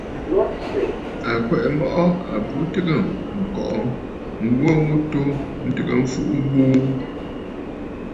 À kwɛ̀ʼɛ mɔʼɔ àbu tɨgə̀ ŋ̀kɔʼɔ ŋwò ghu atu ntɨgə mfuʼu buu.